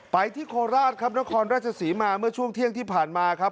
ที่โคราชครับนครราชศรีมาเมื่อช่วงเที่ยงที่ผ่านมาครับ